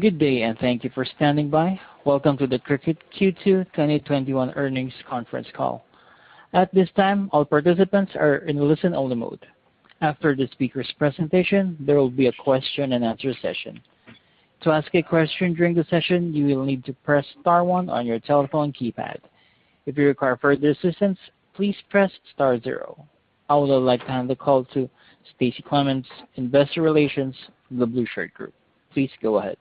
Good day, and thank you for standing by. Welcome to the Cricut Q2 2021 earnings conference call. I would like to hand the call to Stacie Clements, Investor Relations, The Blueshirt Group. Please go ahead.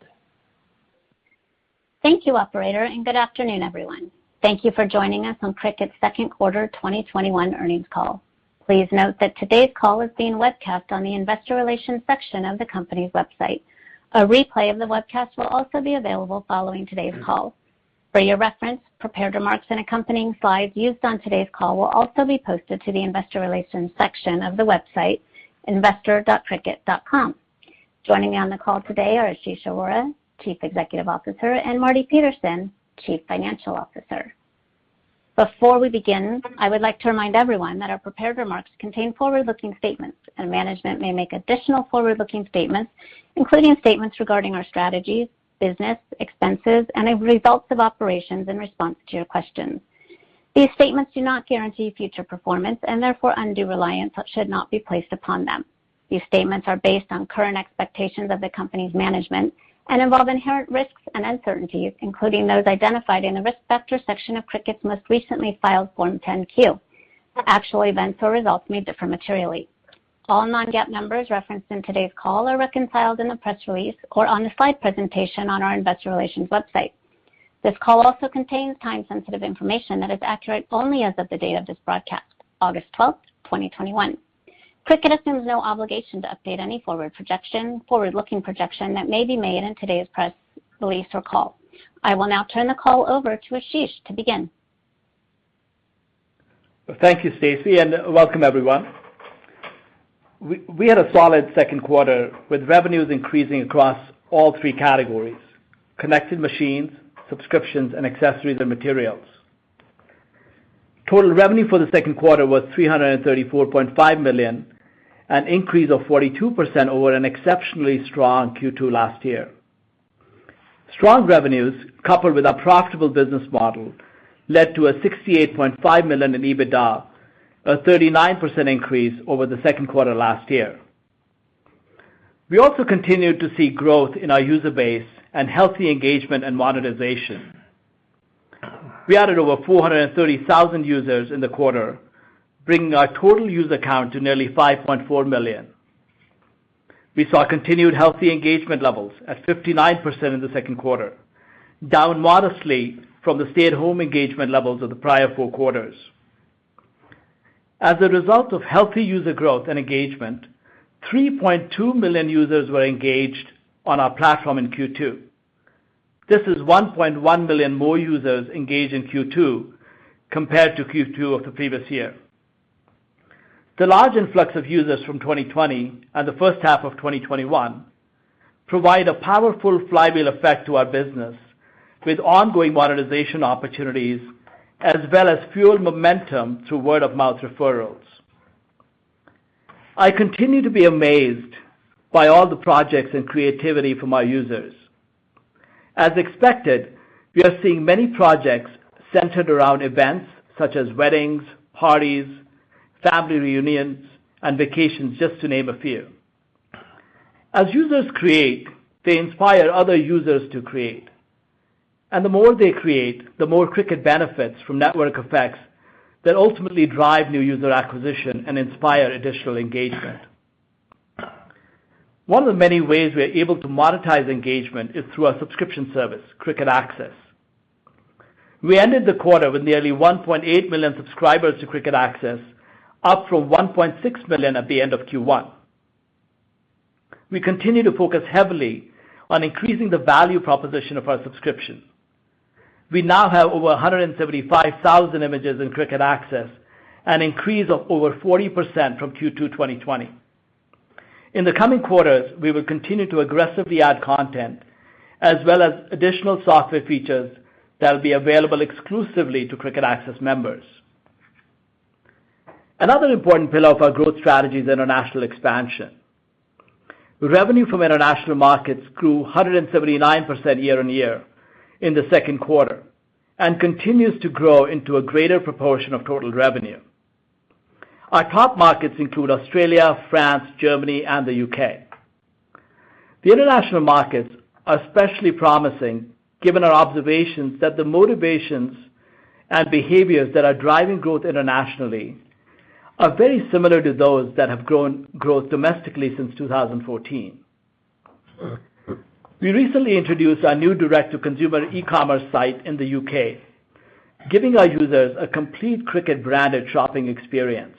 Thank you, operator, and good afternoon, everyone. Thank you for joining us on Cricut's second quarter 2021 earnings call. Please note that today's call is being webcast on the investor relations section of the company's website. A replay of the webcast will also be available following today's call. For your reference, prepared remarks and accompanying slides used on today's call will also be posted to the investor relations section of the website, investor.cricut.com. Joining me on the call today are Ashish Arora, Chief Executive Officer, and Marty Petersen, Chief Financial Officer. Before we begin, I would like to remind everyone that our prepared remarks contain forward-looking statements, and management may make additional forward-looking statements, including statements regarding our strategies, business, expenses, and results of operations in response to your questions. These statements do not guarantee future performance, and therefore undue reliance should not be placed upon them. These statements are based on current expectations of the company's management and involve inherent risks and uncertainties, including those identified in the risk factor section of Cricut's most recently filed Form 10-Q. Actual events or results may differ materially. All non-GAAP numbers referenced in today's call are reconciled in the press release or on the slide presentation on our investor relations website. This call also contains time-sensitive information that is accurate only as of the date of this broadcast, August 12th, 2021. Cricut assumes no obligation to update any forward-looking projection that may be made in today's press release or call. I will now turn the call over to Ashish to begin. Thank you, Stacie, and welcome everyone. We had a solid second quarter with revenues increasing across all three categories, connected machines, subscriptions, and accessories and materials. Total revenue for the second quarter was $334.5 million, an increase of 42% over an exceptionally strong Q2 last year. Strong revenues, coupled with our profitable business model, led to a $68.5 million in EBITDA, a 39% increase over the second quarter last year. We continued to see growth in our user base and healthy engagement and monetization. We added over 430,000 users in the quarter, bringing our total user count to nearly 5.4 million. We saw continued healthy engagement levels at 59% in the second quarter, down modestly from the stay-at-home engagement levels of the prior four quarters. As a result of healthy user growth and engagement, 3.2 million users were engaged on our platform in Q2. This is 1.1 million more users engaged in Q2 compared to Q2 of the previous year. The large influx of users from 2020 and the first half of 2021 provide a powerful flywheel effect to our business with ongoing monetization opportunities as well as fuel momentum through word-of-mouth referrals. I continue to be amazed by all the projects and creativity from our users. As expected, we are seeing many projects centered around events such as weddings, parties, family reunions, and vacations, just to name a few. As users create, they inspire other users to create, and the more they create, the more Cricut benefits from network effects that ultimately drive new user acquisition and inspire additional engagement. One of the many ways we are able to monetize engagement is through our subscription service, Cricut Access. We ended the quarter with nearly 1.8 million subscribers to Cricut Access, up from 1.6 million at the end of Q1. We continue to focus heavily on increasing the value proposition of our subscription. We now have over 175,000 images in Cricut Access, an increase of over 40% from Q2 2020. In the coming quarters, we will continue to aggressively add content as well as additional software features that will be available exclusively to Cricut Access members. Another important pillar of our growth strategy is international expansion. Revenue from international markets grew 179% year-over-year in the second quarter and continues to grow into a greater proportion of total revenue. Our top markets include Australia, France, Germany, and the U.K. The international markets are especially promising given our observations that the motivations and behaviors that are driving growth internationally are very similar to those that have grown domestically since 2014. We recently introduced our new direct-to-consumer e-commerce site in the U.K., giving our users a complete Cricut-branded shopping experience.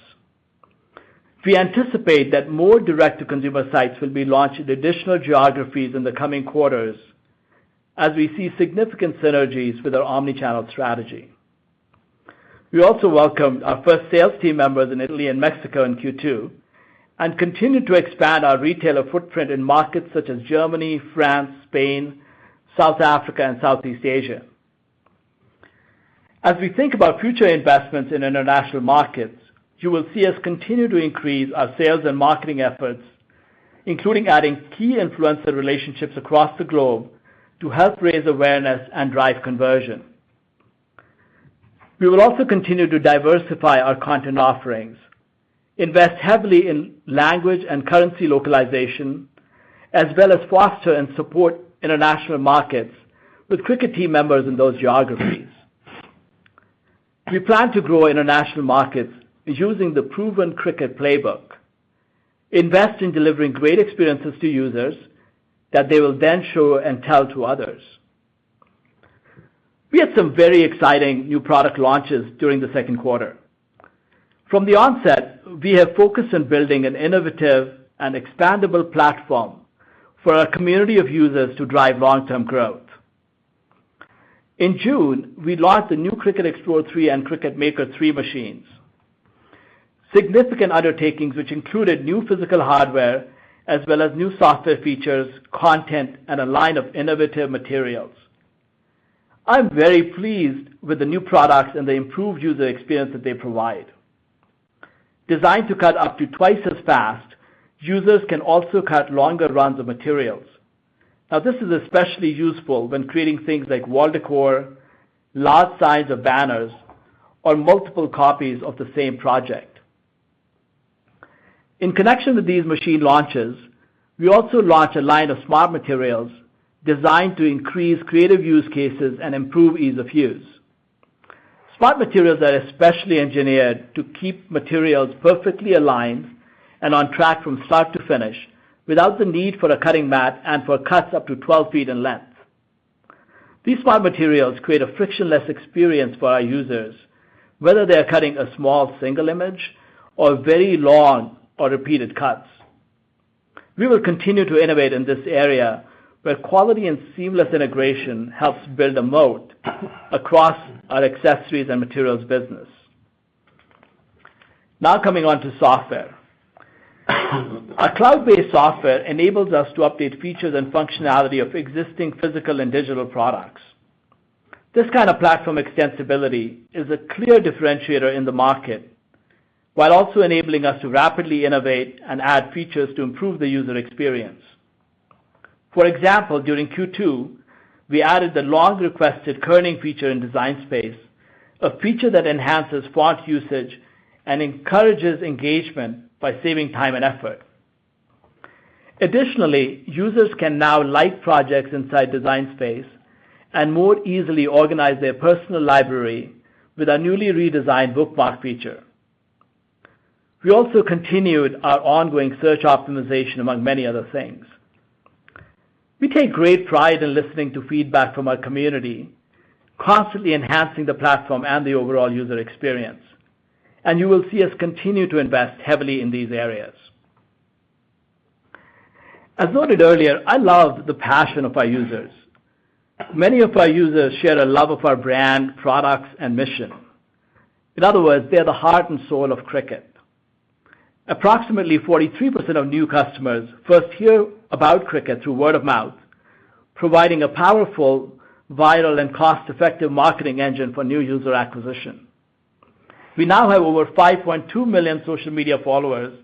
We anticipate that more direct-to-consumer sites will be launched in additional geographies in the coming quarters as we see significant synergies with our omni-channel strategy. We also welcomed our first sales team members in Italy and Mexico in Q2 and continued to expand our retailer footprint in markets such as Germany, France, Spain, South Africa, and Southeast Asia. As we think about future investments in international markets, you will see us continue to increase our sales and marketing efforts, including adding key influencer relationships across the globe to help raise awareness and drive conversion. We will also continue to diversify our content offerings, invest heavily in language and currency localization, as well as foster and support international markets with Cricut team members in those geographies. We plan to grow international markets using the proven Cricut playbook, invest in delivering great experiences to users that they will then show and tell to others. We had some very exciting new product launches during the second quarter. From the onset, we have focused on building an innovative and expandable platform for our community of users to drive long-term growth. In June, we launched the new Cricut Explore 3 and Cricut Maker 3 machines. Significant undertakings which included new physical hardware as well as new software features, content, and a line of innovative materials. I'm very pleased with the new products and the improved user experience that they provide. Designed to cut up to 2x as fast, users can also cut longer runs of materials. Now, this is especially useful when creating things like wall decor, large signs or banners, or multiple copies of the same project. In connection with these machine launches, we also launched a line of Smart Materials designed to increase creative use cases and improve ease of use. Smart Materials are especially engineered to keep materials perfectly aligned and on track from start to finish, without the need for a cutting mat and for cuts up to 12 ft in length. These Smart Materials create a frictionless experience for our users, whether they are cutting a small single image or very long or repeated cuts. We will continue to innovate in this area, where quality and seamless integration helps build a moat across our accessories and materials business. Now coming on to software. Our cloud-based software enables us to update features and functionality of existing physical and digital products. This kind of platform extensibility is a clear differentiator in the market, while also enabling us to rapidly innovate and add features to improve the user experience. For example, during Q2, we added the long-requested kerning feature in Design Space, a feature that enhances font usage and encourages engagement by saving time and effort. Additionally, users can now like projects inside Design Space and more easily organize their personal library with our newly redesigned bookmark feature. We also continued our ongoing search optimization, among many other things. We take great pride in listening to feedback from our community, constantly enhancing the platform and the overall user experience, and you will see us continue to invest heavily in these areas. As noted earlier, I love the passion of our users. Many of our users share a love of our brand, products, and mission. In other words, they are the heart and soul of Cricut. Approximately 43% of new customers first hear about Cricut through word of mouth, providing a powerful, viral, and cost-effective marketing engine for new user acquisition. We now have over 5.2 million social media followers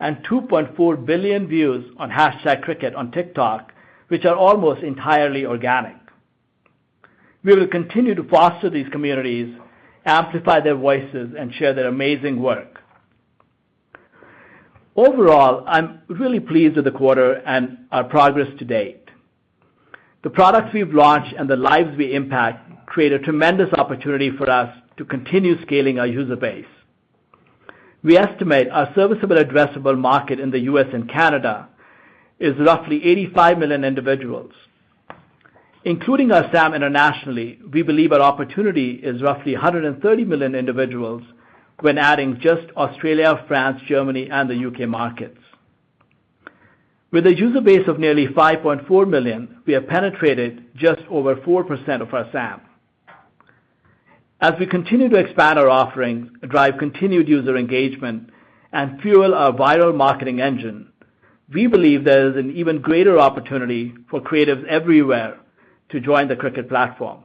and 2.4 billion views on #Cricut on TikTok, which are almost entirely organic. We will continue to foster these communities, amplify their voices, and share their amazing work. Overall, I'm really pleased with the quarter and our progress to date. The products we've launched and the lives we impact create a tremendous opportunity for us to continue scaling our user base. We estimate our serviceable addressable market in the U.S. and Canada is roughly 85 million individuals. Including our SAM internationally, we believe our opportunity is roughly 130 million individuals when adding just Australia, France, Germany, and the U.K. markets. With a user base of nearly 5.4 million, we have penetrated just over 4% of our SAM. As we continue to expand our offerings, drive continued user engagement, and fuel our viral marketing engine, we believe there is an even greater opportunity for creatives everywhere to join the Cricut platform.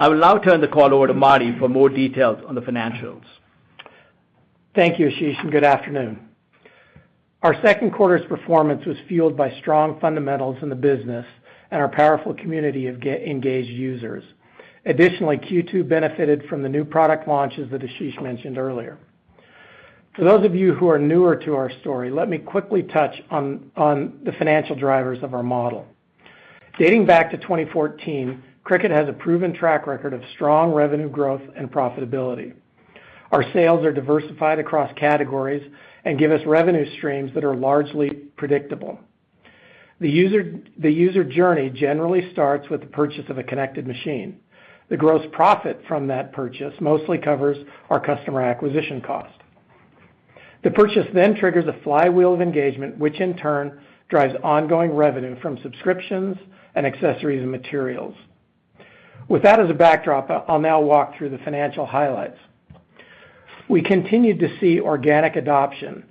I will now turn the call over to Marty for more details on the financials. Thank you, Ashish, and good afternoon. Our second quarter's performance was fueled by strong fundamentals in the business and our powerful community of engaged users. Additionally, Q2 benefited from the new product launches that Ashish mentioned earlier. For those of you who are newer to our story, let me quickly touch on the financial drivers of our model. Dating back to 2014, Cricut has a proven track record of strong revenue growth and profitability. Our sales are diversified across categories and give us revenue streams that are largely predictable. The user journey generally starts with the purchase of a connected machine. The gross profit from that purchase mostly covers our customer acquisition cost. The purchase then triggers a flywheel of engagement, which in turn drives ongoing revenue from subscriptions and accessories and materials. With that as a backdrop, I'll now walk through the financial highlights. We continued to see organic adoption.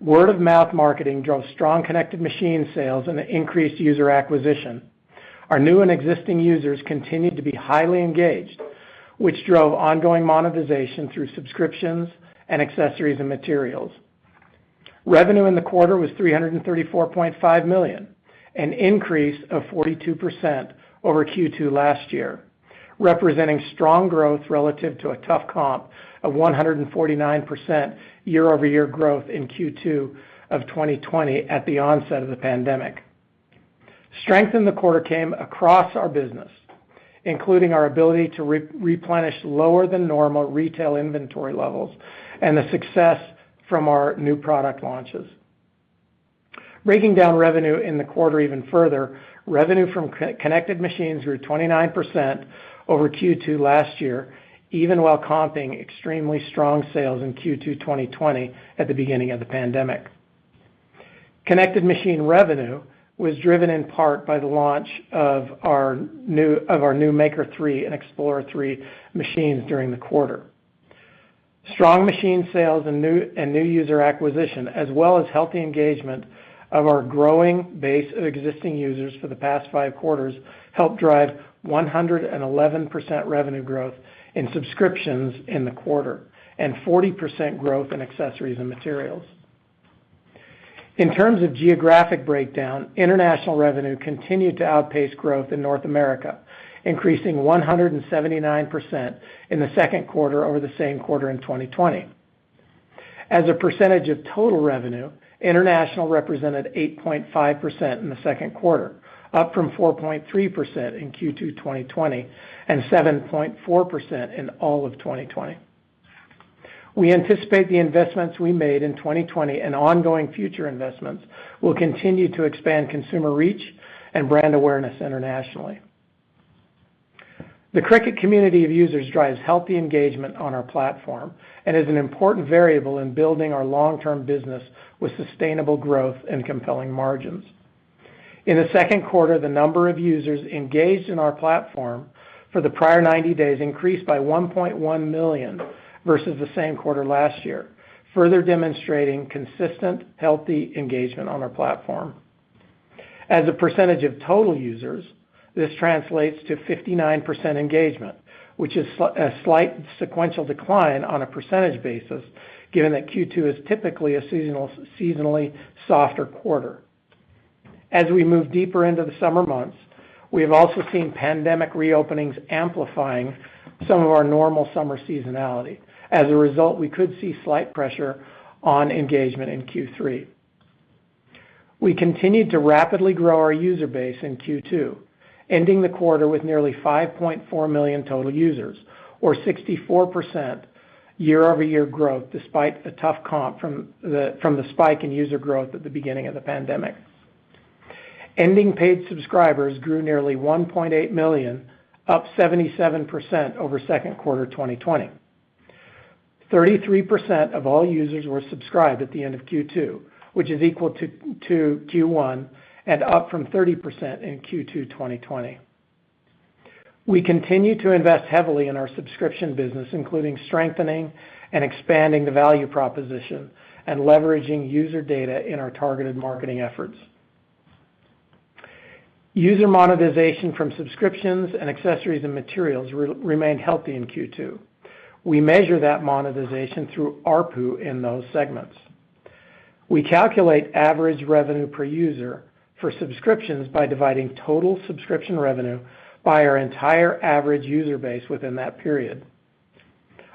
Word of mouth marketing drove strong connected machine sales and increased user acquisition. Our new and existing users continued to be highly engaged, which drove ongoing monetization through subscriptions and accessories and materials. Revenue in the quarter was $334.5 million, an increase of 42% over Q2 last year, representing strong growth relative to a tough comp of 149% year-over-year growth in Q2 2020 at the onset of the pandemic. Strength in the quarter came across our business, including our ability to replenish lower than normal retail inventory levels and the success from our new product launches. Breaking down revenue in the quarter even further, revenue from connected machines grew 29% over Q2 last year, even while comping extremely strong sales in Q2 2020 at the beginning of the pandemic. Connected machine revenue was driven in part by the launch of our new Maker 3 and Explore 3 machines during the quarter. Strong machine sales and new user acquisition, as well as healthy engagement of our growing base of existing users for the past five quarters, helped drive 111% revenue growth in subscriptions in the quarter, and 40% growth in accessories and materials. In terms of geographic breakdown, international revenue continued to outpace growth in North America, increasing 179% in the second quarter over the same quarter in 2020. As a percentage of total revenue, international represented 8.5% in the second quarter, up from 4.3% in Q2 2020 and 7.4% in all of 2020. We anticipate the investments we made in 2020 and ongoing future investments will continue to expand consumer reach and brand awareness internationally. The Cricut community of users drives healthy engagement on our platform and is an important variable in building our long-term business with sustainable growth and compelling margins. In the second quarter, the number of users engaged in our platform for the prior 90 days increased by 1.1 million versus the same quarter last year, further demonstrating consistent, healthy engagement on our platform. As a percentage of total users, this translates to 59% engagement, which is a slight sequential decline on a percentage basis, given that Q2 is typically a seasonally softer quarter. As we move deeper into the summer months, we have also seen pandemic reopenings amplifying some of our normal summer seasonality. As a result, we could see slight pressure on engagement in Q3. We continued to rapidly grow our user base in Q2, ending the quarter with nearly 5.4 million total users or 64% year-over-year growth despite the tough comp from the spike in user growth at the beginning of the pandemic. Ending paid subscribers grew nearly 1.8 million, up 77% over second quarter 2020. 33% of all users were subscribed at the end of Q2, which is equal to Q1 and up from 30% in Q2 2020. We continue to invest heavily in our subscription business, including strengthening and expanding the value proposition and leveraging user data in our targeted marketing efforts. User monetization from subscriptions and accessories and materials remained healthy in Q2. We measure that monetization through ARPU in those segments. We calculate average revenue per user for subscriptions by dividing total subscription revenue by our entire average user base within that period.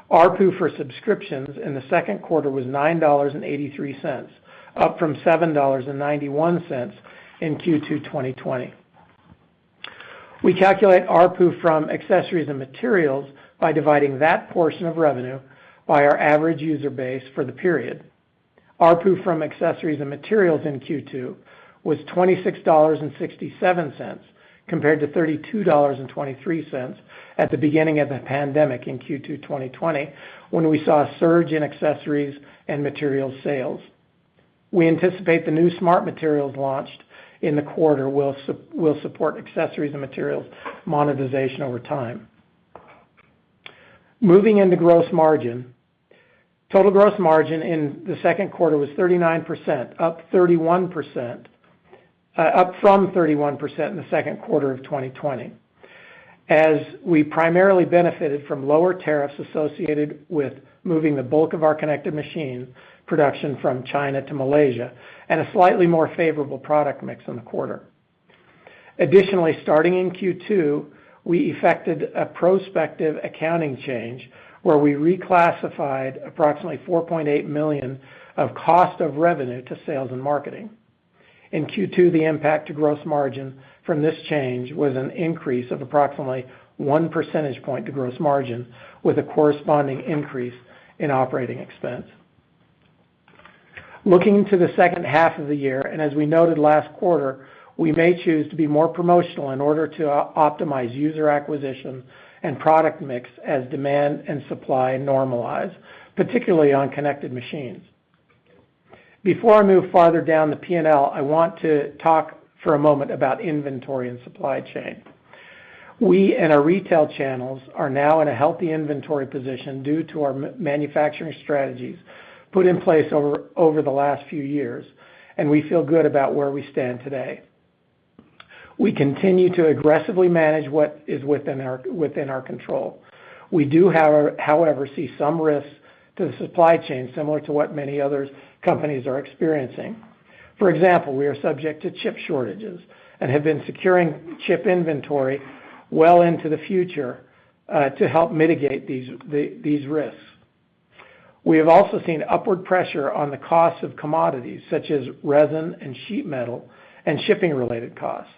ARPU for subscriptions in the second quarter was $9.83, up from $7.91 in Q2 2020. We calculate ARPU from accessories and materials by dividing that portion of revenue by our average user base for the period. ARPU from accessories and materials in Q2 was $26.67 compared to $32.23 at the beginning of the pandemic in Q2 2020, when we saw a surge in accessories and materials sales. We anticipate the new Smart Materials launched in the quarter will support accessories and materials monetization over time. Moving into gross margin. Total gross margin in the second quarter was 39%, up from 31% in the second quarter of 2020, as we primarily benefited from lower tariffs associated with moving the bulk of our connected machine production from China to Malaysia, and a slightly more favorable product mix in the quarter. Additionally, starting in Q2, we effected a prospective accounting change where we reclassified approximately $4.8 million of cost of revenue to sales and marketing. In Q2, the impact to gross margin from this change was an increase of approximately 1 percentage point to gross margin with a corresponding increase in operating expense. Looking to the second half of the year, and as we noted last quarter, we may choose to be more promotional in order to optimize user acquisition and product mix as demand and supply normalize, particularly on connected machines. Before I move farther down the P&L, I want to talk for a moment about inventory and supply chain. We, in our retail channels, are now in a healthy inventory position due to our manufacturing strategies put in place over the last few years, and we feel good about where we stand today. We continue to aggressively manage what is within our control. We do, however, see some risks to the supply chain, similar to what many other companies are experiencing. For example, we are subject to chip shortages and have been securing chip inventory well into the future to help mitigate these risks. We have also seen upward pressure on the cost of commodities such as resin and sheet metal and shipping related costs.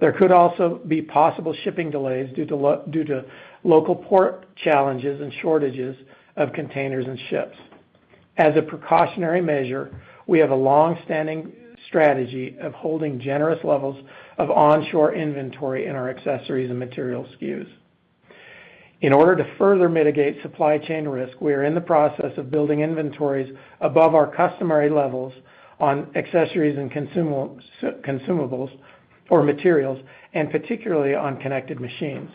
There could also be possible shipping delays due to local port challenges and shortages of containers and ships. As a precautionary measure, we have a longstanding strategy of holding generous levels of onshore inventory in our accessories and material SKUs. In order to further mitigate supply chain risk, we are in the process of building inventories above our customary levels on accessories and consumables or materials, and particularly on connected machines.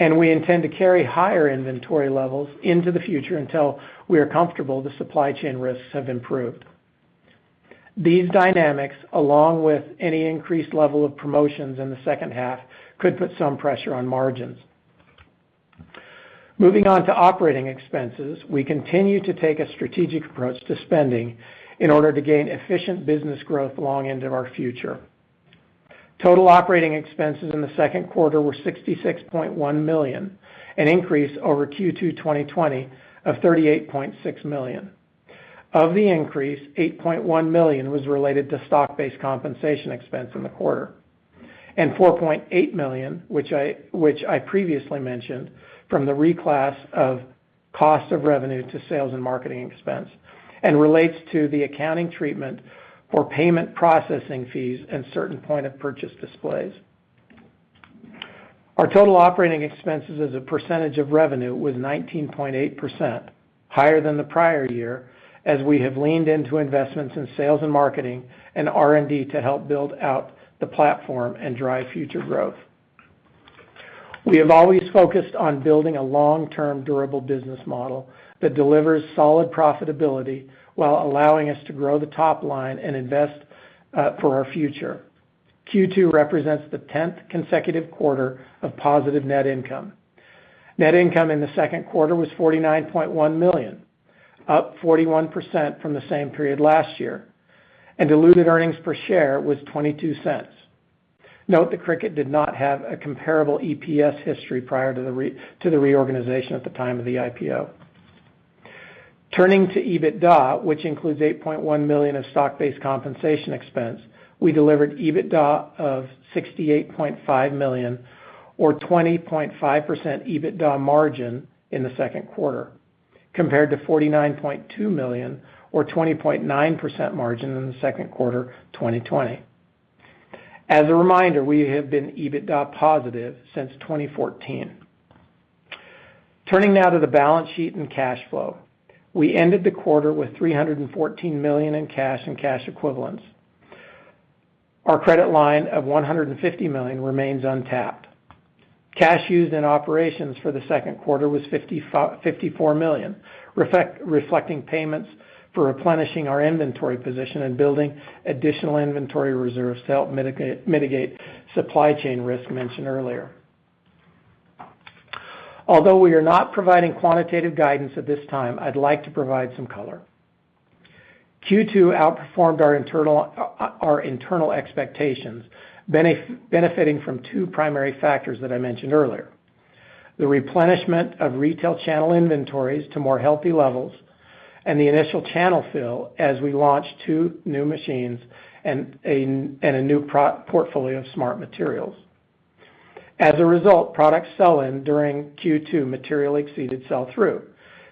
We intend to carry higher inventory levels into the future until we are comfortable the supply chain risks have improved. These dynamics, along with any increased level of promotions in the second half, could put some pressure on margins. Moving on to operating expenses, we continue to take a strategic approach to spending in order to gain efficient business growth long into our future. Total operating expenses in the second quarter were $66.1 million, an increase over Q2 2020 of $38.6 million. Of the increase, $8.1 million was related to stock-based compensation expense in the quarter, and $4.8 million, which I previously mentioned, from the reclass of cost of revenue to sales and marketing expense and relates to the accounting treatment for payment processing fees and certain point of purchase displays. Our total operating expenses as a percentage of revenue was 19.8%, higher than the prior year, as we have leaned into investments in sales and marketing and R&D to help build out the platform and drive future growth. We have always focused on building a long-term durable business model that delivers solid profitability while allowing us to grow the top line and invest for our future. Q2 represents the 10th consecutive quarter of positive net income. Net income in the second quarter was $49.1 million, up 41% from the same period last year, and diluted earnings per share was $0.22. Note that Cricut did not have a comparable EPS history prior to the reorganization at the time of the IPO. Turning to EBITDA, which includes $8.1 million of stock-based compensation expense, we delivered EBITDA of $68.5 million or 20.5% EBITDA margin in the second quarter, compared to $49.2 million or 20.9% margin in the second quarter 2020. As a reminder, we have been EBITDA positive since 2014. Turning now to the balance sheet and cash flow. We ended the quarter with $314 million in cash and cash equivalents. Our credit line of $150 million remains untapped. Cash used in operations for the second quarter was $54 million, reflecting payments for replenishing our inventory position and building additional inventory reserves to help mitigate supply chain risk mentioned earlier. Although we are not providing quantitative guidance at this time, I'd like to provide some color. Q2 outperformed our internal expectations, benefiting from two primary factors that I mentioned earlier. The replenishment of retail channel inventories to more healthy levels and the initial channel fill as we launched two new machines and a new portfolio of Smart Materials. As a result, product sell-in during Q2 materially exceeded sell-through.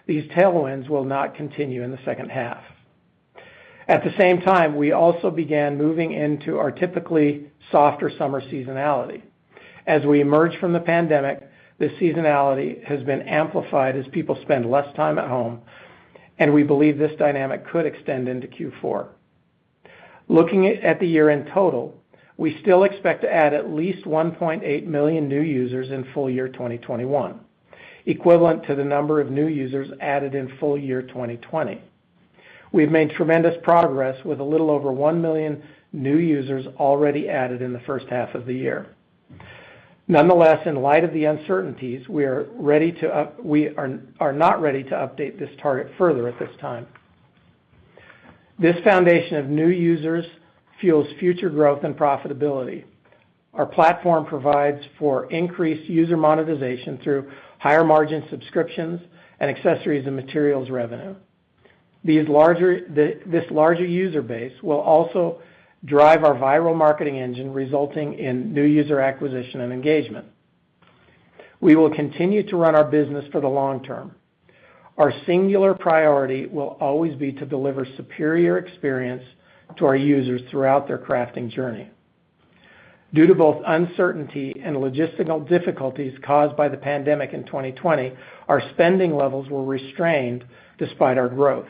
These tailwinds will not continue in the second half. At the same time, we also began moving into our typically softer summer seasonality. As we emerge from the pandemic, this seasonality has been amplified as people spend less time at home, and we believe this dynamic could extend into Q4. Looking at the year-end total, we still expect to add at least 1.8 million new users in full year 2021, equivalent to the number of new users added in full year 2020. We've made tremendous progress with a little over 1 million new users already added in the first half of the year. Nonetheless, in light of the uncertainties, we are not ready to update this target further at this time. This foundation of new users fuels future growth and profitability. Our platform provides for increased user monetization through higher margin subscriptions and accessories and materials revenue. This larger user base will also drive our viral marketing engine, resulting in new user acquisition and engagement. We will continue to run our business for the long term. Our singular priority will always be to deliver superior experience to our users throughout their crafting journey. Due to both uncertainty and logistical difficulties caused by the pandemic in 2020, our spending levels were restrained despite our growth.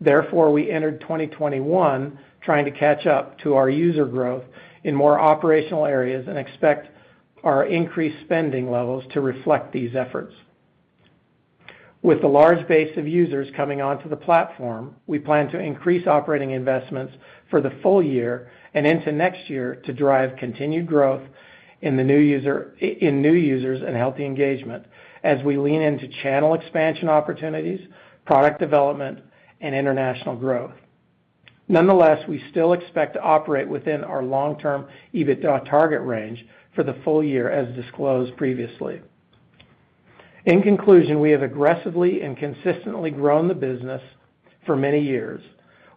Therefore, we entered 2021 trying to catch up to our user growth in more operational areas and expect our increased spending levels to reflect these efforts. With the large base of users coming onto the platform, we plan to increase operating investments for the full year and into next year to drive continued growth in new users and healthy engagement as we lean into channel expansion opportunities, product development, and international growth. Nonetheless, we still expect to operate within our long-term EBITDA target range for the full year, as disclosed previously. In conclusion, we have aggressively and consistently grown the business for many years.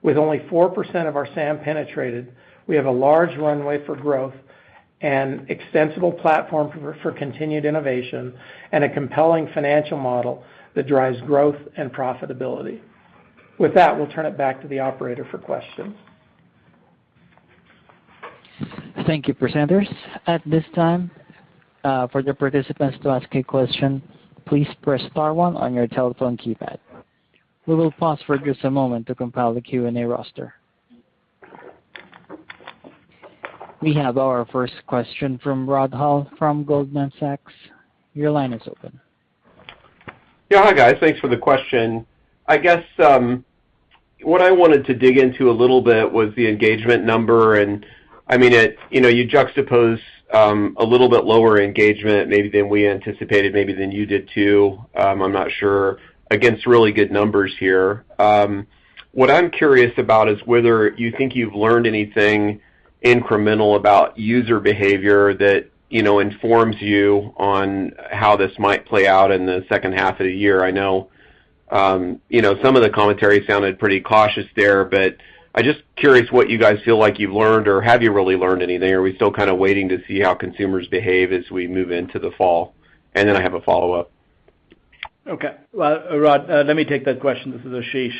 With only 4% of our SAM penetrated, we have a large runway for growth and extensible platform for continued innovation and a compelling financial model that drives growth and profitability. With that, we'll turn it back to the operator for questions. Thank you, presenters. At this time, for the participants to ask a question, please press star one on your telephone keypad. We will pause for just a moment to compile the Q&A roster. We have our first question from Rod Hall from Goldman Sachs. Hi, guys. Thanks for the question. I guess what I wanted to dig into a little bit was the engagement number, and you juxtapose a little bit lower engagement maybe than we anticipated, maybe than you did too, I'm not sure, against really good numbers here. What I'm curious about is whether you think you've learned anything incremental about user behavior that informs you on how this might play out in the second half of the year? I know some of the commentary sounded pretty cautious there, but I'm just curious what you guys feel like you've learned, or have you really learned anything? Are we still kind of waiting to see how consumers behave as we move into the fall? Then I have a follow-up. Okay. Well, Rod, let me take that question. This is Ashish.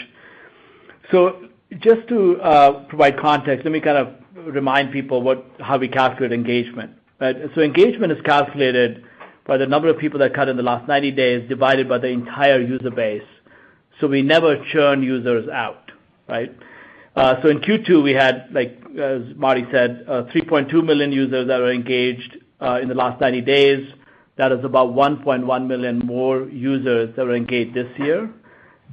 Just to provide context, let me remind people how we calculate engagement. Engagement is calculated by the number of people that cut in the last 90 days divided by the entire user base. We never churn users out. Right? In Q2, we had, as Marty Petersen said, 3.2 million users that were engaged in the last 90 days. That is about 1.1 million more users that were engaged this year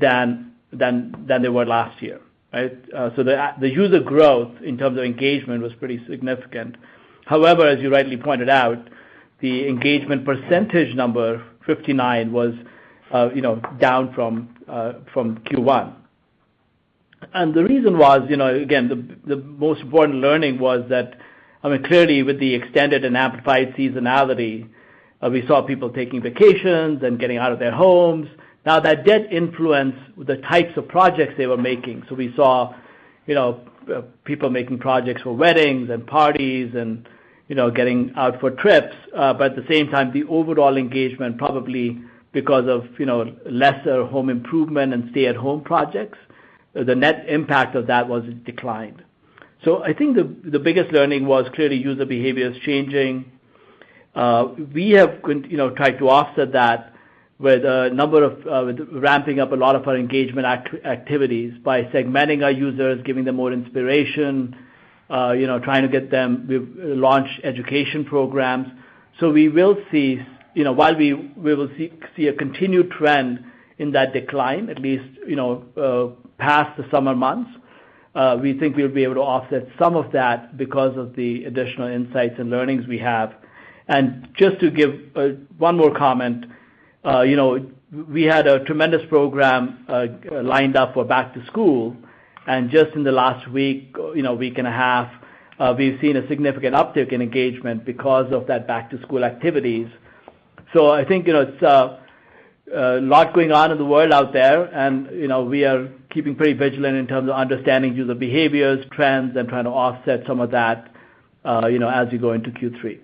than they were last year. Right? The user growth in terms of engagement was pretty significant. However, as you rightly pointed out, the engagement percentage number, 59%, was down from Q1. The reason was, again, the most important learning was that, clearly with the extended and amplified seasonality, we saw people taking vacations and getting out of their homes. That did influence the types of projects they were making. We saw people making projects for weddings and parties and getting out for trips. At the same time, the overall engagement, probably because of lesser home improvement and stay-at-home projects, the net impact of that was a decline. I think the biggest learning was clearly user behavior is changing. We have tried to offset that with ramping up a lot of our engagement activities by segmenting our users, giving them more inspiration. We've launched education programs. While we will see a continued trend in that decline, at least past the summer months, we think we'll be able to offset some of that because of the additional insights and learnings we have. Just to give one more comment. We had a tremendous program lined up for back to school, and just in the last week and a half, we've seen a significant uptick in engagement because of that back-to-school activities. I think it's a lot going on in the world out there, and we are keeping pretty vigilant in terms of understanding user behaviors, trends, and trying to offset some of that as we go into Q3.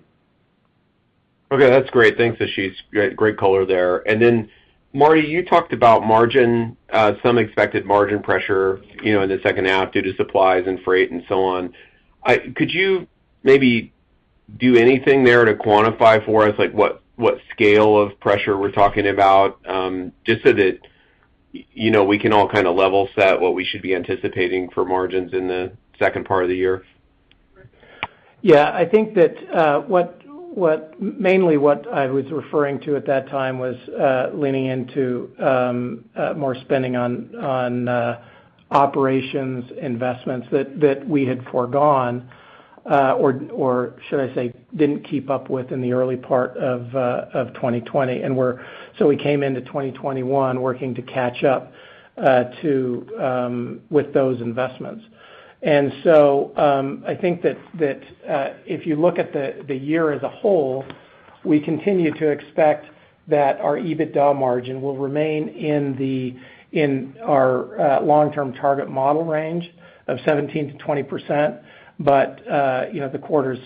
Okay. That's great. Thanks, Ashish. Great color there. Marty, you talked about some expected margin pressure in the second half due to supplies and freight and so on. Could you maybe do anything there to quantify for us, like what scale of pressure we're talking about, just so that we can all kind of level set what we should be anticipating for margins in the second part of the year? Yeah. I think that mainly what I was referring to at that time was leaning into more spending on operations investments that we had foregone, or should I say, didn't keep up with in the early part of 2020. We came into 2021 working to catch up with those investments. I think that if you look at the year as a whole, we continue to expect that our EBITDA margin will remain in our long-term target model range of 17%-20%, but the quarters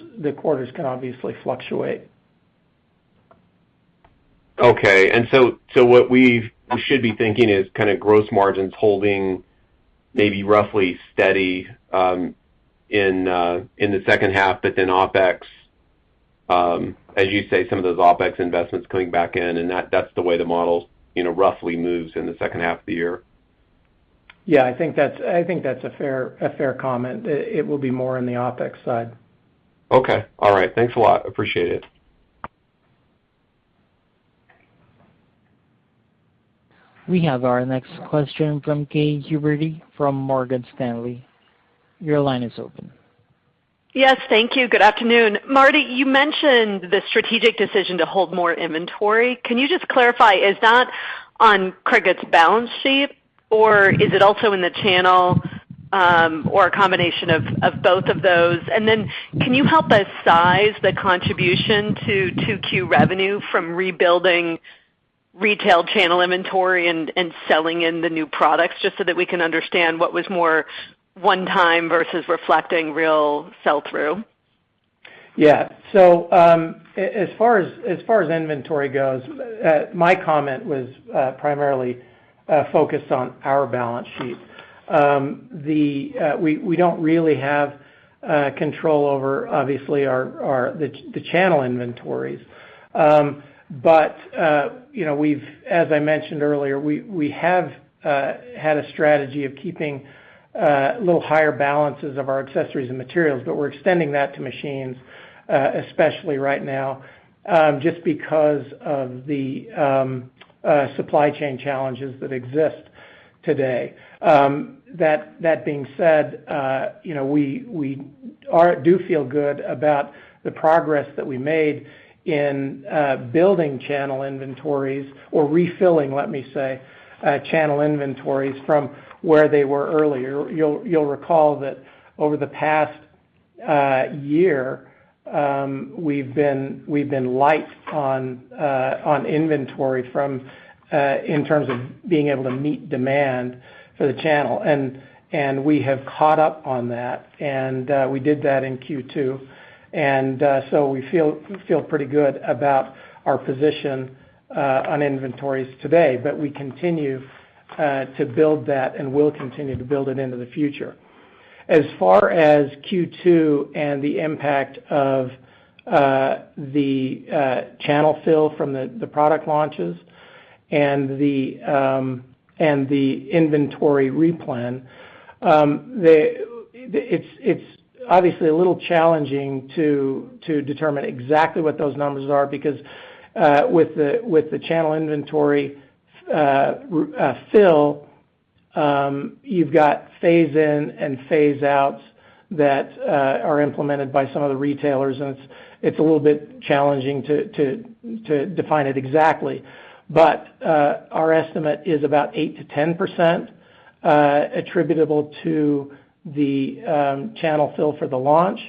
can obviously fluctuate. Okay. What we should be thinking is kind of gross margins holding maybe roughly steady in the second half. Then, as you say, some of those OPEX investments coming back in. That's the way the model roughly moves in the second half of the year. Yeah, I think that's a fair comment. It will be more on the OPEX side. Okay. All right. Thanks a lot. Appreciate it. We have our next question from Katy Huberty from Morgan Stanley. Yes. Thank you. Good afternoon. Marty, you mentioned the strategic decision to hold more inventory. Can you just clarify, is that on Cricut's balance sheet, or is it also in the channel, or a combination of both of those? Can you help us size the contribution to 2Q revenue from rebuilding retail channel inventory and selling in the new products, just so that we can understand what was more one time versus reflecting real sell-through? Yeah. As far as inventory goes, my comment was primarily focused on our balance sheet. We don't really have control over, obviously, the channel inventories. As I mentioned earlier, we have had a strategy of keeping little higher balances of our accessories and materials, but we're extending that to machines, especially right now, just because of the supply chain challenges that exist today. That being said, we do feel good about the progress that we made in building channel inventories or refilling, let me say, channel inventories from where they were earlier. You'll recall that over the past year, we've been light on inventory in terms of being able to meet demand for the channel. We have caught up on that, and we did that in Q2. We feel pretty good about our position on inventories today, but we continue to build that and will continue to build it into the future. As far as Q2 and the impact of the channel fill from the product launches and the inventory replan, it's obviously a little challenging to determine exactly what those numbers are, because with the channel inventory fill, you've got phase in and phase outs that are implemented by some of the retailers, and it's a little bit challenging to define it exactly. But our estimate is about 8%-10% attributable to the channel fill for the launch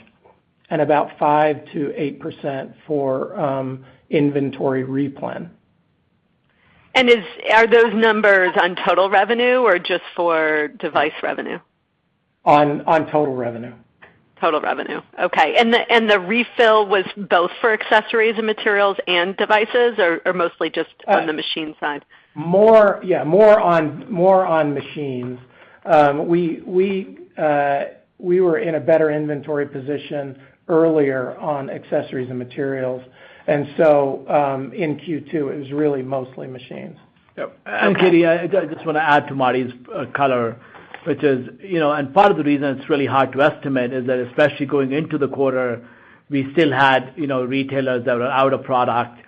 and about 5%-8% for inventory replan. Are those numbers on total revenue or just for device revenue? On total revenue. Total revenue. Okay. The refill was both for accessories and materials and devices, or mostly just on the machine side? More on machines. We were in a better inventory position earlier on accessories and materials. In Q2, it was really mostly machines. Katy, I just want to add to Marty's color, which is, part of the reason it's really hard to estimate is that especially going into the quarter, we still had retailers that were out of product.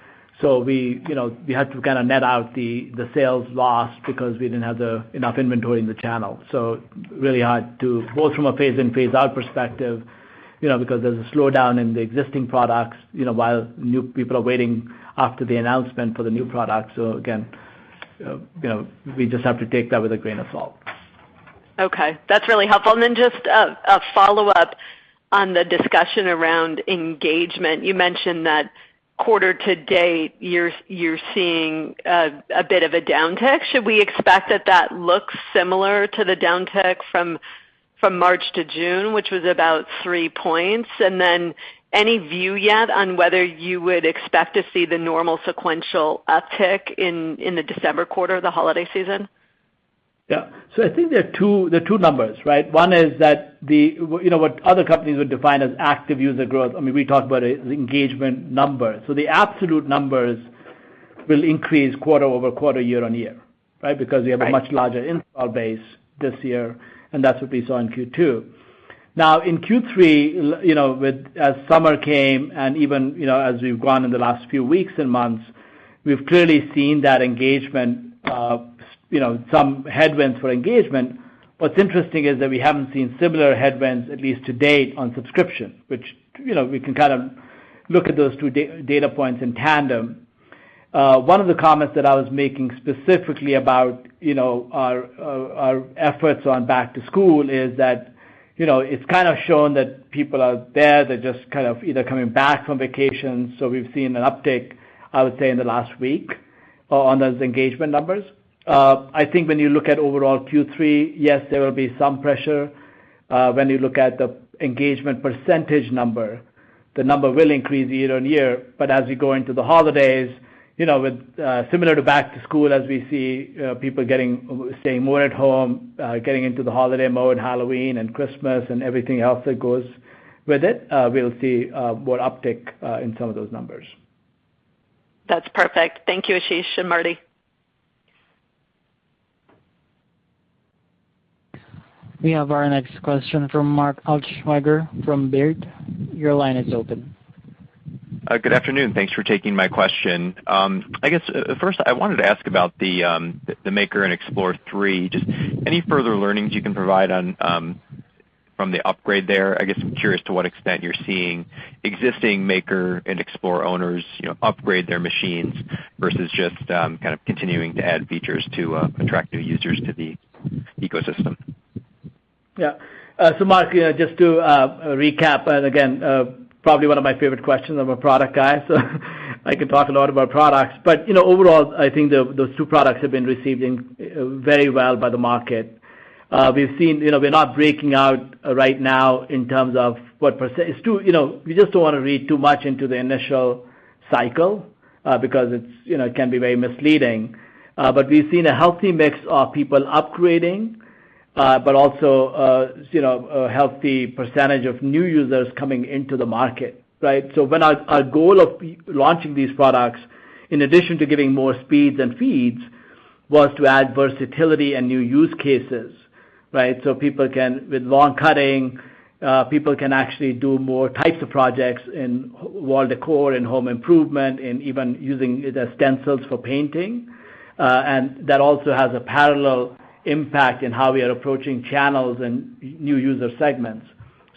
We had to kind of net out the sales loss because we didn't have enough inventory in the channel. It's really hard to, both from a phase in, phase out perspective, because there's a slowdown in the existing products, while new people are waiting after the announcement for the new product. Again, we just have to take that with a grain of salt. Okay, that's really helpful. Just a follow-up on the discussion around engagement. You mentioned that quarter to date, you're seeing a bit of a downtick. Should we expect that that looks similar to the downtick from March to June, which was about 3 points? Any view yet on whether you would expect to see the normal sequential uptick in the December quarter, the holiday season? Yeah. I think there are two numbers, right? One is what other companies would define as active user growth. We talk about it as engagement numbers. The absolute numbers will increase quarter-over-quarter, year-on-year, right? Because we have a much larger install base this year, and that's what we saw in Q2. Now in Q3, as summer came and even as we've gone in the last few weeks and months, we've clearly seen some headwinds for engagement. What's interesting is that we haven't seen similar headwinds, at least to date, on subscription, which we can kind of look at those 2 data points in tandem. One of the comments that I was making specifically about our efforts on back to school is that it's kind of shown that people are there. They're just kind of either coming back from vacation. We've seen an uptick, I would say, in the last week on those engagement numbers. I think when you look at overall Q3, yes, there will be some pressure. When you look at the engagement percentage number, the number will increase year on year. As we go into the holidays, similar to back to school, as we see people staying more at home, getting into the holiday mode, Halloween and Christmas and everything else that goes with it, we'll see more uptick in some of those numbers. That's perfect. Thank you, Ashish and Marty. We have our next question from Mark Altschwager from Baird. Your line is open. Good afternoon. Thanks for taking my question. I guess, first I wanted to ask about the Maker and Explore 3. Just any further learnings you can provide from the upgrade there, I guess I'm curious to what extent you're seeing existing Maker and Explore owners upgrade their machines versus just kind of continuing to add features to attract new users to the ecosystem. Mark, just to recap, and again, probably one of my favorite questions. I'm a product guy, I can talk a lot about products. Overall, I think those two products have been receiving very well by the market. We're not breaking out right now in terms of what percent. We just don't want to read too much into the initial cycle, because it can be very misleading. We've seen a healthy mix of people upgrading, but also, a healthy percentage of new users coming into the market, right? When our goal of launching these products, in addition to giving more speeds and feeds, was to add versatility and new use cases, right? With long cutting, people can actually do more types of projects in wall decor and home improvement, and even using the stencils for painting. That also has a parallel impact in how we are approaching channels and new user segments.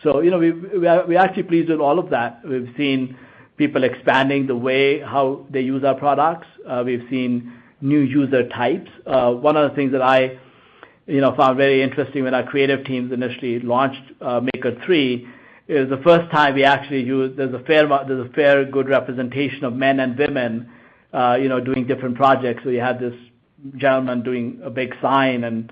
We are actually pleased with all of that. We've seen people expanding the way, how they use our products. We've seen new user types. One of the things that I found very interesting when our creative teams initially launched Maker 3 is the first time there's a fair good representation of men and women doing different projects. You had this gentleman doing a big sign and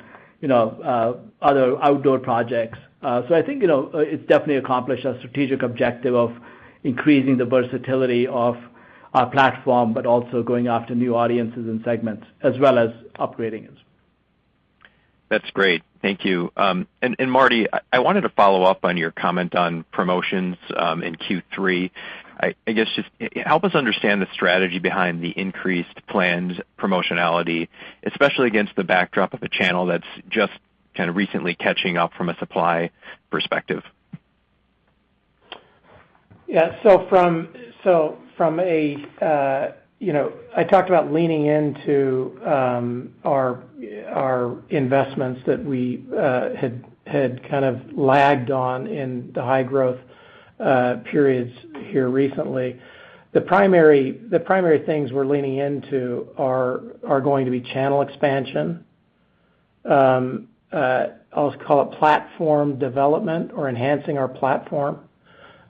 other outdoor projects. I think, it definitely accomplished a strategic objective of increasing the versatility of our platform, but also going after new audiences and segments as well as upgrading it. That's great. Thank you. Marty, I wanted to follow up on your comment on promotions in Q3. I guess, just help us understand the strategy behind the increased planned promotionality, especially against the backdrop of a channel that's just kind of recently catching up from a supply perspective. Yeah. I talked about leaning into our investments that we had kind of lagged on in the high growth periods here recently. The primary things we're leaning into are going to be channel expansion. I'll just call it platform development or enhancing our platform,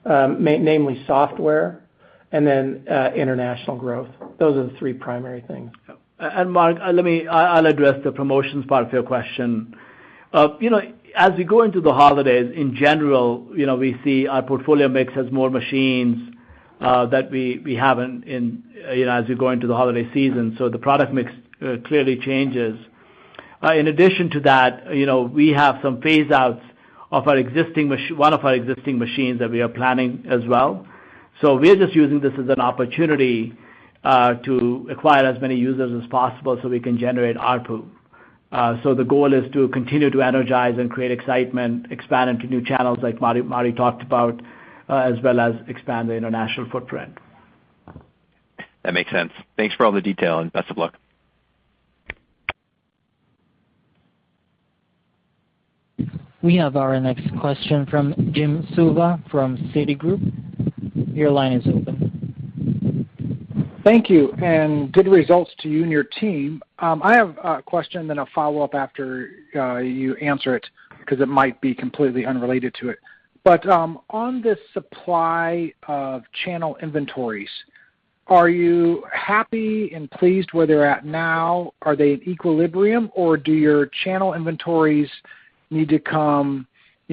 namely software, and then international growth. Those are the three primary things. Mark, I'll address the promotions part of your question. As we go into the holidays in general, we see our portfolio mix has more machines, as we go into the holiday season. The product mix clearly changes. In addition to that, we have some phase outs of one of our existing machines that we are planning as well. We are just using this as an opportunity to acquire as many users as possible so we can generate ARPU. The goal is to continue to energize and create excitement, expand into new channels like Marty talked about, as well as expand the international footprint. That makes sense. Thanks for all the detail, and best of luck. We have our next question from Jim Suva from Citigroup. Your line is open. Thank you. Good results to you and your team. I have a question then a follow-up after you answer it, because it might be completely unrelated to it. On the supply of channel inventories, are you happy and pleased where they're at now? Are they in equilibrium, or do your channel inventories need to come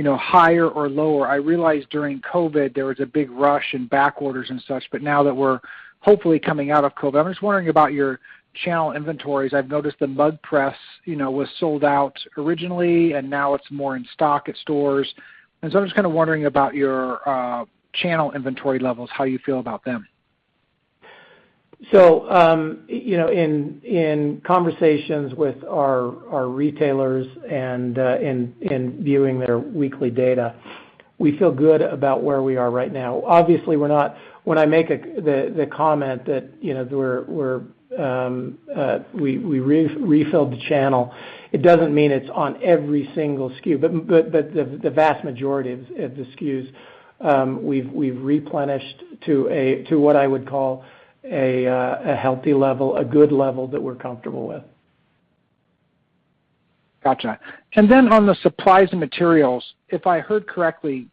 higher or lower? I realize during COVID, there was a big rush in back orders and such, but now that we're hopefully coming out of COVID, I'm just wondering about your channel inventories. I've noticed the Mug Press was sold out originally, and now it's more in stock at stores. I'm just kind of wondering about your channel inventory levels, how you feel about them. In conversations with our retailers and in viewing their weekly data, we feel good about where we are right now. Obviously, when I make the comment that we refilled the channel, it doesn't mean it's on every single SKU, but the vast majority of the SKUs, we've replenished to what I would call a healthy level, a good level that we're comfortable with. Gotcha. On the supplies and materials, if I heard correctly.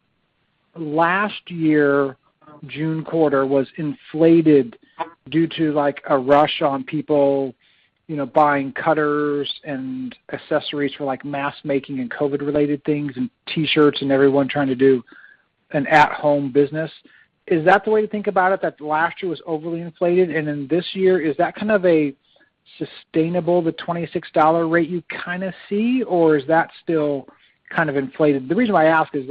Last year, June quarter was inflated due to a rush on people buying cutters and accessories for mask making and COVID-related things and T-shirts and everyone trying to do an at-home business. Is that the way to think about it, that last year was overly inflated, and then this year, is that kind of a sustainable, the $26 rate you kind of see, or is that still kind of inflated? The reason why I ask is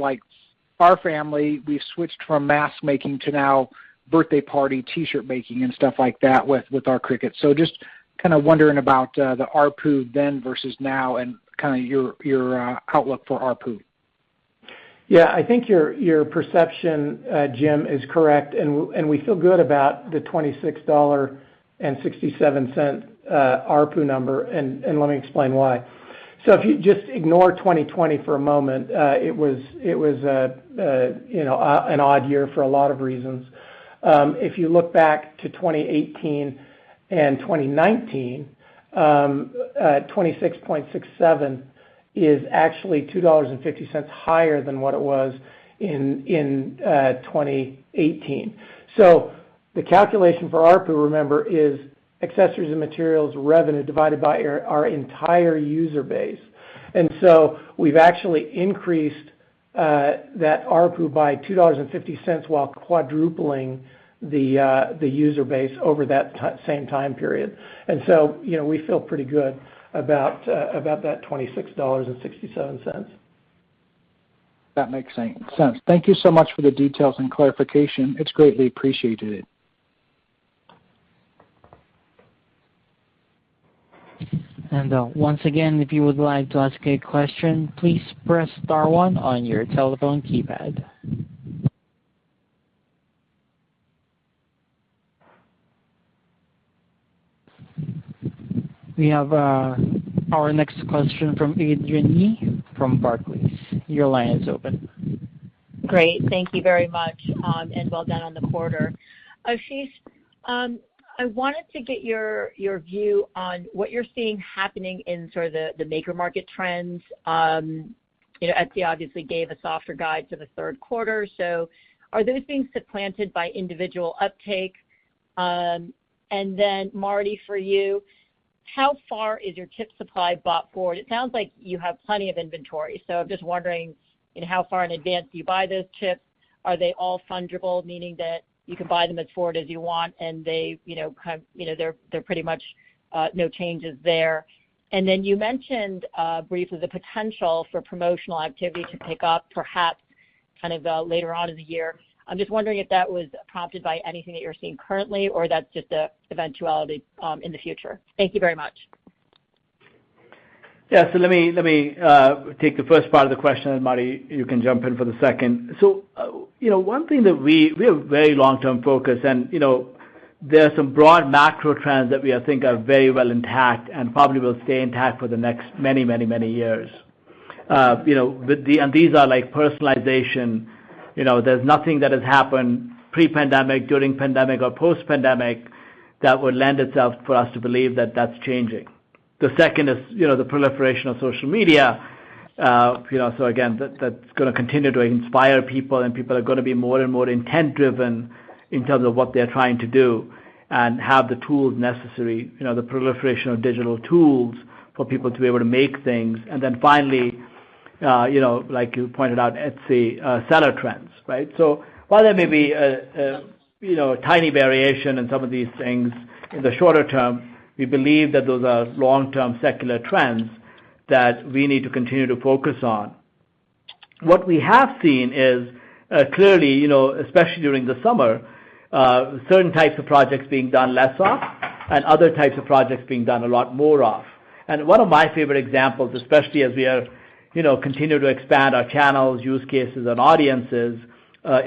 our family, we've switched from mask making to now birthday party T-shirt making and stuff like that with our Cricut. Just kind of wondering about the ARPU then versus now and kind of your outlook for ARPU. I think your perception, Jim, is correct. We feel good about the $26.67 ARPU number. Let me explain why. If you just ignore 2020 for a moment, it was an odd year for a lot of reasons. If you look back to 2018 and 2019, $26.67 is actually $2.50 higher than what it was in 2018. The calculation for ARPU, remember, is accessories and materials revenue divided by our entire user base. We've actually increased that ARPU by $2.50 while quadrupling the user base over that same time period. We feel pretty good about that $26.67. That makes sense. Thank you so much for the details and clarification. It's greatly appreciated. Once again, if you would like to ask a question, please press star one on your telephone keypad. We have our next question from Adrienne Yih from Barclays. Your line is open. Great. Thank you very much, and well done on the quarter. Ashish, I wanted to get your view on what you're seeing happening in sort of the maker market trends. Etsy obviously gave a softer guide for the third quarter, so are those being supplanted by individual uptake? Marty, for you, how far is your chip supply bought forward? It sounds like you have plenty of inventory, so I'm just wondering how far in advance do you buy those chips? Are they all fungible, meaning that you can buy them as forward as you want and there are pretty much no changes there. You mentioned briefly the potential for promotional activity to pick up perhaps kind of later on in the year. I'm just wondering if that was prompted by anything that you're seeing currently or that's just an eventuality in the future. Thank you very much. Yeah. Let me take the first part of the question, and Marty, you can jump in for the second. One thing that we have very long-term focus, and there are some broad macro trends that we think are very well intact and probably will stay intact for the next many years. These are like personalization. There's nothing that has happened pre-pandemic, during pandemic, or post-pandemic that would lend itself for us to believe that that's changing. The second is the proliferation of social media. Again, that's going to continue to inspire people, and people are going to be more and more intent driven in terms of what they're trying to do and have the tools necessary, the proliferation of digital tools for people to be able to make things. Then finally, like you pointed out, Etsy seller trends, right? While there may be a tiny variation in some of these things in the shorter term, we believe that those are long-term secular trends that we need to continue to focus on. What we have seen is, clearly, especially during the summer, certain types of projects being done less of, and other types of projects being done a lot more of. One of my favorite examples, especially as we are continue to expand our channels, use cases, and audiences,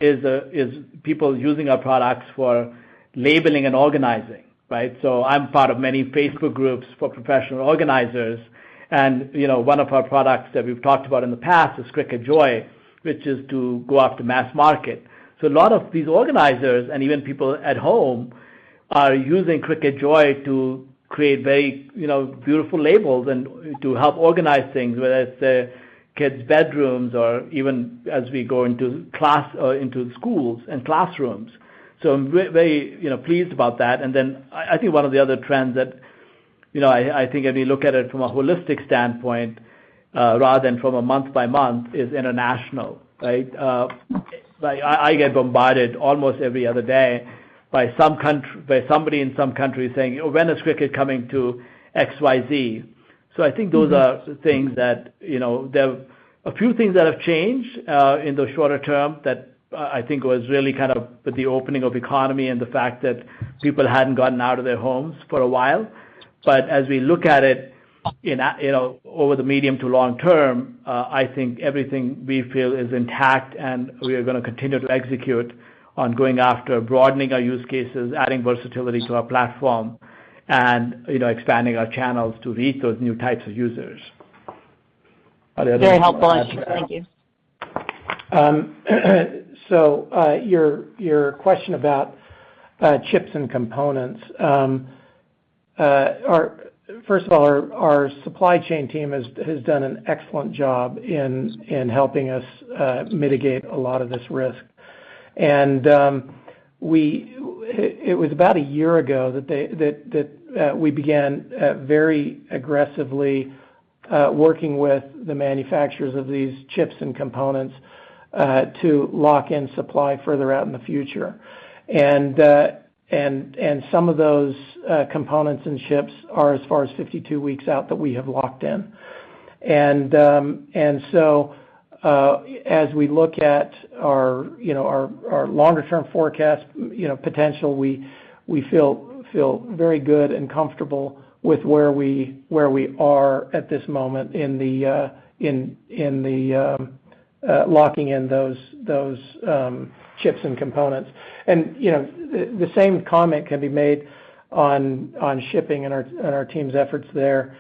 is people using our products for labeling and organizing, right? I'm part of many Facebook groups for professional organizers, and one of our products that we've talked about in the past is Cricut Joy, which is to go after mass market. A lot of these organizers, and even people at home, are using Cricut Joy to create very beautiful labels and to help organize things, whether it's kids' bedrooms or even as we go into schools and classrooms. I'm very pleased about that. I think one of the other trends that I think if you look at it from a holistic standpoint, rather than from a month by month, is international, right? I get bombarded almost every other day by somebody in some country saying, "When is Cricut coming to XYZ?" I think those are things that a few things that have changed, in the shorter term that I think was really kind of with the opening of economy and the fact that people hadn't gotten out of their homes for a while. As we look at it over the medium to long term, I think everything we feel is intact, and we are going to continue to execute on going after broadening our use cases, adding versatility to our platform and expanding our channels to reach those new types of users. Marty, anything you want to add to that? Very helpful. Thank you. Your question about chips and components. First of all, our supply chain team has done an excellent job in helping us mitigate a lot of this risk. It was about a year ago that we began very aggressively working with the manufacturers of these chips and components to lock in supply further out in the future. Some of those components and chips are as far as 52 weeks out that we have locked in. As we look at our longer-term forecast potential, we feel very good and comfortable with where we are at this moment in the locking in those chips and components. The same comment can be made on shipping and our team's efforts there.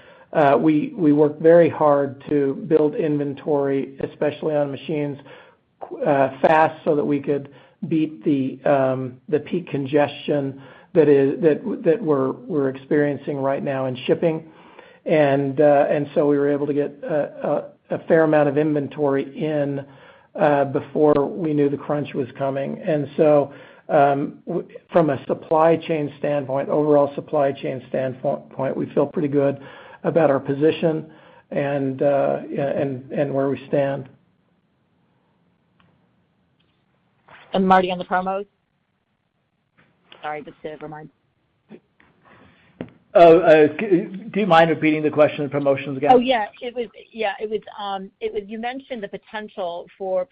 We worked very hard to build inventory, especially on machines fast so that we could beat the peak congestion that we're experiencing right now in shipping. We were able to get a fair amount of inventory in before we knew the crunch was coming. From a supply chain standpoint, overall supply chain standpoint, we feel pretty good about our position and where we stand. Marty, on the promos? Sorry, just to remind. Oh, do you mind repeating the question on promotions again? Oh, yeah. You mentioned the potential for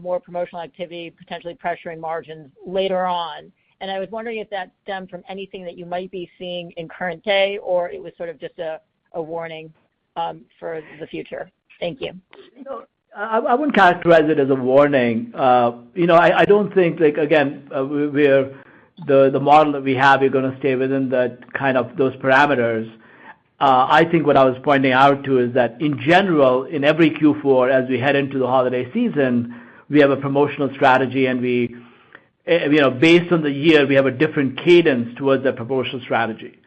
more promotional activity potentially pressuring margins later on, and I was wondering if that stemmed from anything that you might be seeing in current day, or it was sort of just a warning for the future. Thank you. No, I wouldn't characterize it as a warning. I don't think, again, the model that we have is going to stay within those parameters. I think what I was pointing out too is that in general, in every Q4, as we head into the holiday season, we have a promotional strategy, and based on the year, we have a different cadence towards that promotional strategy.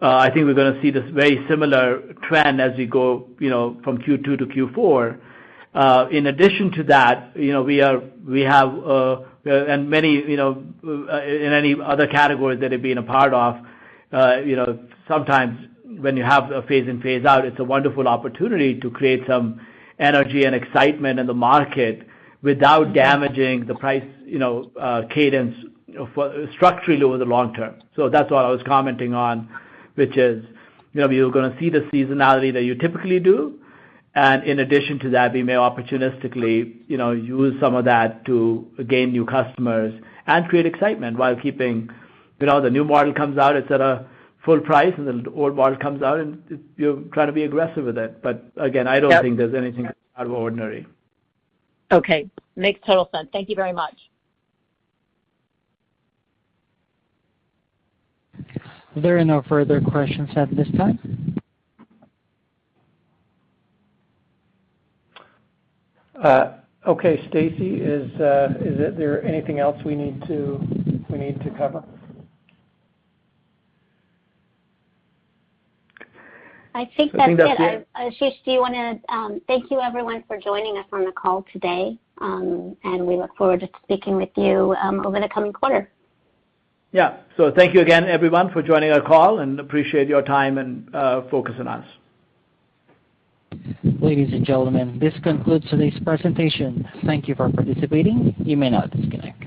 I think we're going to see this very similar trend as we go from Q2 to Q4. In addition to that, in any other categories that I've been a part of, sometimes when you have a phase in, phase out, it's a wonderful opportunity to create some energy and excitement in the market without damaging the price cadence structurally over the long term. That's what I was commenting on, which is, you're going to see the seasonality that you typically do, and in addition to that, we may opportunistically use some of that to gain new customers and create excitement while keeping the new model comes out, et cetera, full price, and then the old model comes out and you're trying to be aggressive with it. Again, I don't think there's anything out of ordinary. Okay. Makes total sense. Thank you very much. There are no further questions at this time. Okay. Stacie, is there anything else we need to cover? I think that's it. I think that's it. Ashish, thank you everyone for joining us on the call today, and we look forward to speaking with you over the coming quarter. Yeah. Thank you again, everyone, for joining our call, and appreciate your time and focus on us. Ladies and gentlemen, this concludes today's presentation. Thank you for participating. You may now disconnect.